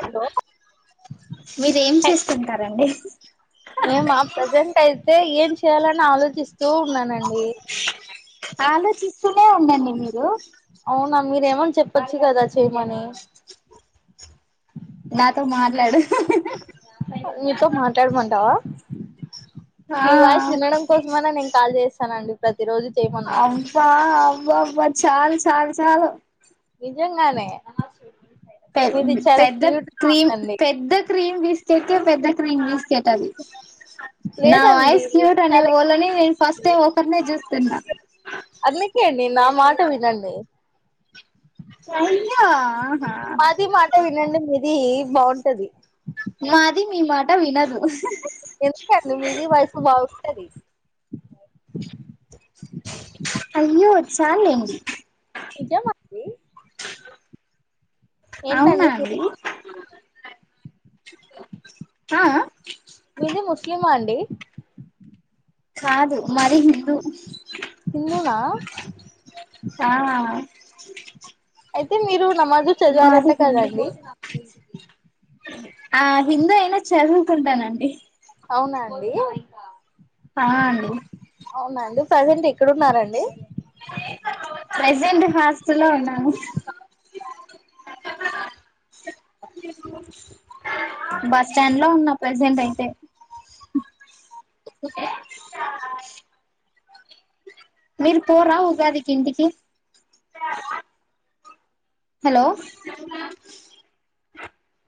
Hello మీరు ఏం చేస్తుంటారండి మేమ్ ప్రజెంట్ అయితే ఏం చేయాలని ఆలోచిస్తూ న్నానండి ఆలోచిస్తు స్తునే ఉండండి మీరు అవునా మీరేమని చెప్పొచ్చు కదా చేయమని నాతో మాట్లాడు మీతో మాట్లాడమంటావా ఆ మీ వాయిస్ వినడం కోసమైన నేను కాల్ చేసింది తన అండీ ప్రతి రోజు చేయమన్నా అబ్బా అబ్బ అబ్బ చాలు చాలు చాలు నిజంగానే పె మీది చాలా పెద్ద క్యూట్ గా క్రీమ్ ఉందండి పెద్ద క్రీమ్ బిస్ కెట్ పెద్ద క్రీమ్ బిస్కెట్ అది నా లేదండి వాయిస్ మీది క్యూటనే చాలా వీళ్ళనీ ఫస్ట్ టైం ఓపెన్ గా చూస్ తిన్న అందుకే అండి నా మాట వినండీ సంధ్య ఆహా ఇదీ బాగుంటది మాది మీ మాట వినదు ఎందుకండి మీది వయసు బాగుంటది అయ్యో చాల్లే అండి నిజమా అండి అవునా అండి అఆ మీది ముస్లిమా అండి కాదు మరి హదు కిందునా ఆ అయితే మీరు నమాజు చదివారంట మాది హిందీ కదండి ఆ హిందూ అయినా చదువుకుంటానండి అవునా అండి ఆ అండి అవునండి ప్రెజెంట్ ఎక్కడున్నారండి ప్రెజెంట్ హాస్టల్లో ఉన్నాను బస్ స్టాండ్ లో ఉన్న ప్రెసెంట్ అయితే మీరు పోరా ఉగాదికి ఇంటికి హలో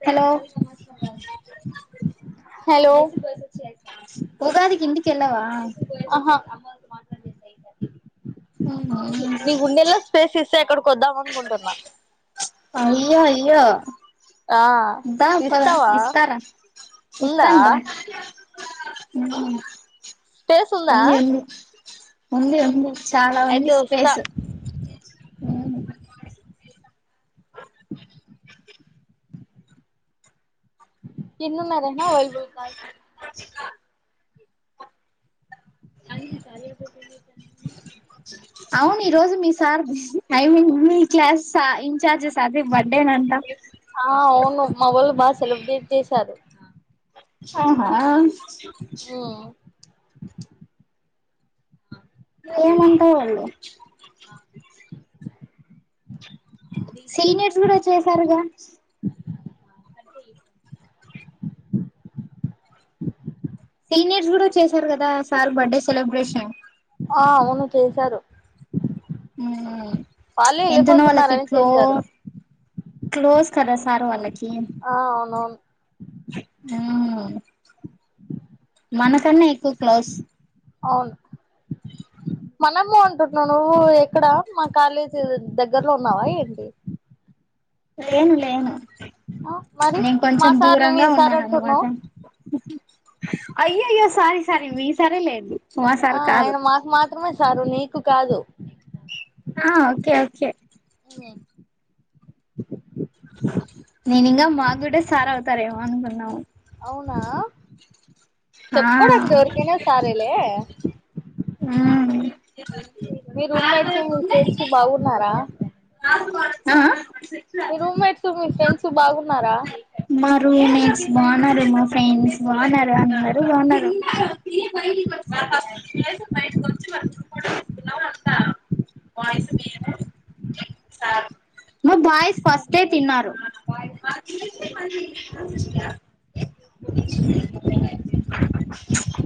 హలో హలో ఉగాదికిింటికి ఎల్లవా ఆహా తే అక్కడికి వద్దాం అనుకుంటున్న అయ్యో అయ్యో ఆ దా పద ఇస్తావా ఇస్తారా ఉందా ఇస్తాను దా ఉ స్పేసుందా ఉంది ఉంది చాలా ఉంది వస్తా స్పేస్ ఎన్నునై రహీనా అవైలేబుల్ కాల్స్ అన్ని క [inaudible] అవును ఈ రోజు మీ సార్ ఐన్ మీ క్లాస్ ఇన్చార్జెస్ ఆ అవును మా వోళ్ళు బాగా సెలబ్రేట్ చేశారు ఆహా ఏమంటా వాళ్ళు సీనియర్స్ కూడా చేసారుగా అ సీనియర్స్ కూడా చేశారు కదా సార్ బర్త్డే సెలబ్రేషన్ ఆ అవును చేశారు ఉమ్ వాళ్ళే ఎంతున్న వాళ్ళకి వెళ్ళిపోతున్నారని చేశారు క్లోజ్ క్లోజ్ కదా సార్ వాలకి ఆ అవునవును ఉమ్ మనకన్నా ఎక్కువ క్లోజ్ అవును మనము అంటున్నా నువ్వు ఎక్కడ మా కాలేజీ దగ్గర్లో ఉన్నావా ఏంటి ఏం లేను ఆ మరి నేను మా కొంచెం సార్ ను మీ దూరంగా సార్ అంటున్నావ్ అయ్యాయో సారి సారి మీ సారే లేండి మా ఆ సార్ కాదు ఆయన మాకు మాత్రమే సారు నీ కాదు ఆ ఓకే ఓకే హ్మ్ నేను ఇంకా మాక్కూడా సార్ అవుతారేమో అనుకున్నాము అవునా ఆ చెప్పుకోడానికి ఎవరికైనా సారేలే మీ రూమ్మేట్స్ మీ ఫ్రెండ్స్ బాగున్నారా ఆ ఆ మీ రూమ్మేట్సు మీ ఫ్రెండ్స్ సో బాగున్నారా మా రూమ్మేట్స్ బాగున్నారు మా ఫ్రెండ్స్ బాగున్నారు అందరూ బాగున్నారు మా బాయ్స్ ఫస్టే తిన్నారు మా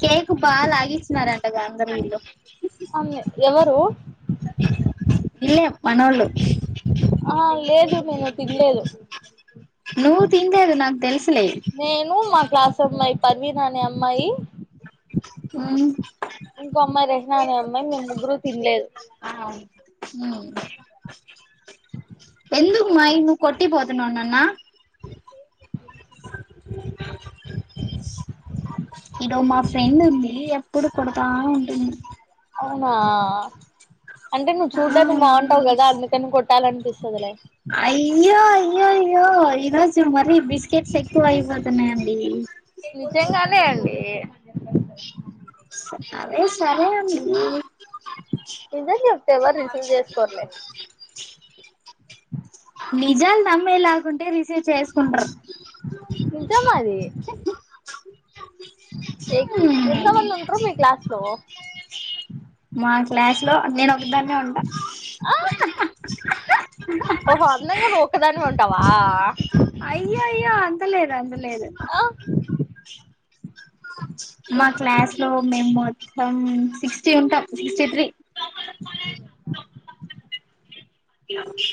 కేక్ బా లాగిస్తున్నారంటగ అందరూ వీళ్ళు అవునులే ఎవరు ఇల్లే మనోళ్ళు ఆ లేదు నేను తినలేదు నువ్వు తినలేదు నాకు తెలుసు నేను మా క్లాస్ అమ్మాయి పర్వీన్ అనే అమ్మాయి హ్మ్ తిన్లేదు ఎందుకు మా ఇ నువ్వు కొట్టిపోతున్నావు నాన్న ఇడో మా ఫ్రెండ్ ఉంది ఎప్పుడు కొడు అవునా అంటే నువ్వు ఆ చూడ్డానికి బాగుంటావు కదా అందుకని కొట్టాలంటే చేస్తదిలే అయ్యో అయ్యో అయ్యో ఈ రోజు మరి బిస్ బిస్కెట్స్ ఎక్కువయిపోతున్నాయండి అంతే అండి అదే సరే అండి నిజం చెప్తే ఎవరు రిసీవ్ చేసుకోర్లే నిజాలు నమ్మేలాగుంటే రిసీవ్ చేసుకుంట్రు నిజమది ఎ ఎంతమంది ఉంటరూ మీ క్లాస్ లో మా క్లాస్ లో నేను ఒ ఒక్కదాన్నే ఉంటా ఆ అ ఓహో నిజంగా నువ్వొక్కదానివే వా అయ్యా అయ్యా అంతలేదు. అంత లేదు ఆ [unintelligible] మా క్లాస్ లో మేము మొత్తం. సిక్స్టీ ఉంటాం. సిక్స్టీ త్రీ [inaudible] ఓకే ఓకే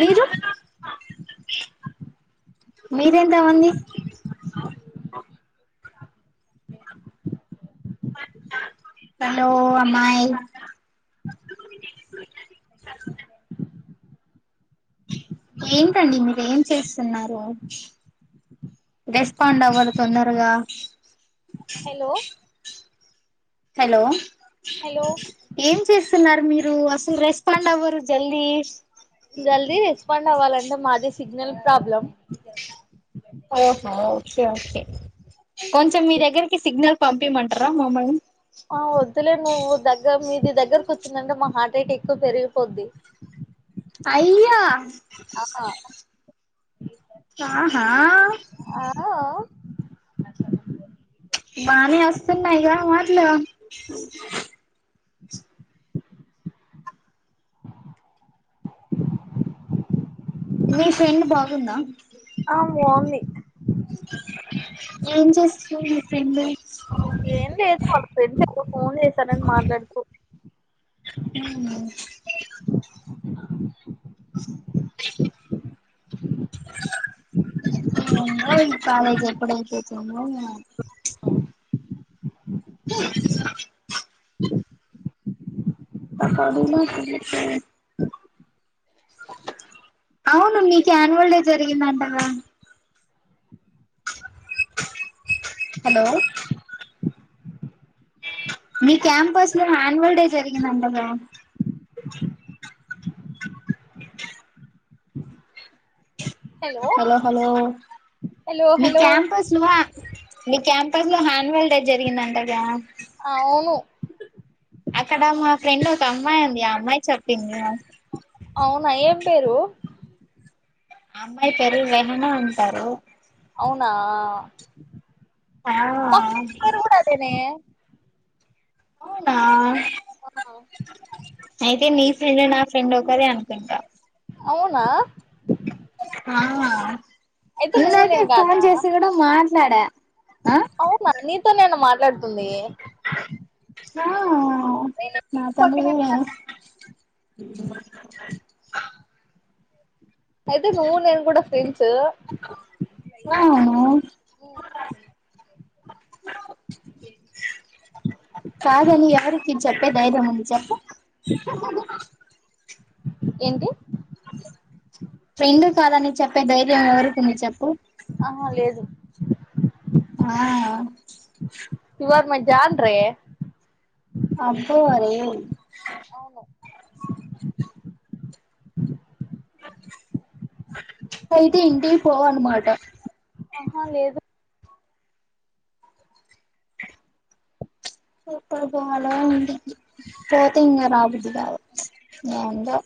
మీరు మీరెంత అవంది హలో అమ్మాయి [unintelligible] ఏంటండి మీరు ఏం చేస్తున్నారు. రెస్పాండ్ అవ్వరు తొందరగా హలో హలో ఏం చేస్తున్నారు మీరు అసలు రెస్పాండ్ జల్దీ జల్దీ రెస్పాండ్ అవ్వాలంటే మాది సిగ్నల్ ప్రాబ్లమ్. కే ఓకే కొంచెం మీ దగ్గరికి సిగ్నల్ పంపిమంటార మమ్మల్ని ఆ వద్దులే నువ్వు దగ్గర మీది దగ్గరకు వచ్చిందంటే మా హార్ట్ రేట్ ఎక్కువ పెరిగిపోద్ది. అయ్యా ఆ హ ఆహా ఆ బనే అస్తున్నాయిగా మట్లు మీ ఫ్రెండ్ బాగుందా ఆ [unintelligible] ఏం చేస్తుంది మీ ఫ్రెండ్ ఏం లేదు వాళ్ళ ఫ్రెండ్స్ ఎక్కో ఫోన్ చేశారని మాట్లాడుతూ [unintelligible] [unintelligible] [unintelligible] ఎందో ఈ కాలేజీ ఎప్పుడు అయితదో సవు [unintelligible] [unintelligible] అకాడు మా [unintelligible] అవును నీకు యాన్యువల్ డే జరిగిందంటగా. హలో మీ క్యాంపస్ లో యాన్యువల్ డే జరిగిం నందగ హలో హలో హలో మీ హలో క్యాంపస్లువా మీ క్యాంపస్ లో హ్యాండ్ వెెల్ట్ ఏ జరిగిందంటగా ఆ అవును అక్కడ మా ఫ్రెండ్ ఒక అమ్మాయి ఉంది ఆ అమ్మాయి చెప్పింది అవునా ఏం పేరు అమ్మాయి పేరు రేహన అంటారు అవునా ఆ మ ఫ్రెండు కూడ అదేన్ అవునా ఆ నండు నా ఫ్రెండ్ ఒకరే అనుకుంటా అవునా అయితే నువ్వు ననకే నేను ఫోన్ కాదా చేసి కూడా మా నాడ అవునా ని నేను మాట్లాడుతుంది ఆ ఆ నేను నా పక్కనే తండుడు నేను ఉన్నాను. అయితే నూవ్వు నేను కూడా ఫ్రెండ్స్ అవును కాదలి ఎవరికి చెప్పే ధైర్యం ఉంది చెప్ప ఏంటి రెండు కాదని చెప్ప అంత ధైర్యం ఎవరికి ఉంది చెప్పు ఆహా లేదు ఆ ఇవాళ మ జాన్ రే అబ్బయ అరే అవును అయితే ఇంటి పోవను మాట ఆహా లేదు సూపర్ బాాల ఉంది పోతంగ మాబుథావో ఎంటో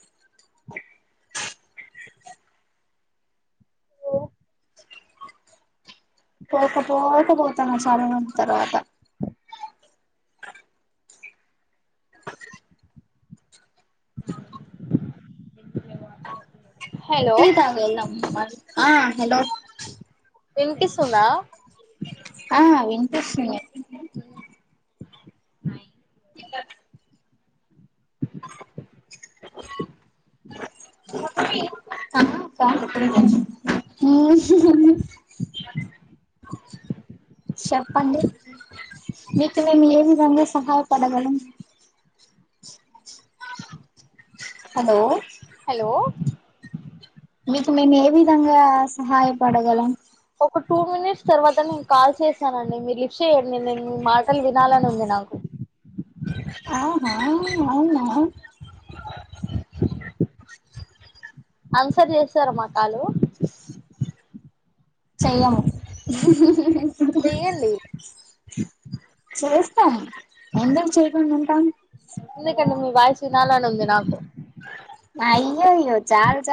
ఓ పోకపోకపోతాము చాలా మంది తర్వాత హలో టీ తాగినామ్ మరీ ఆ హలో వినిపీస్తుందా ఆ వినిపిస్తుంది ఇలా చెప్పండి మీకు మేము ఏ విధంగా సహాయపడగలం హలో హలో మీకు మేము ఏ విధంగా సహాయపడగలం ఒక టూ మినిట్స్ తర్వాత నేను కాల్ చేశానండి మీరు లిఫ్ట్ చేయండి. నేను మీ మాటలు వినాలని ఉంది నాకు ఆ హా అవునా అన్సర్ చేస్తార మ కాలు చేయ్యాము చేయ్యాండి చేస్తం ఎందూకు చేయకుండ ఉం ట ఎందుకండీ మీ వాయిస్ వినాలనుంది నాకు అయ్యయ్యో చాలు చాల్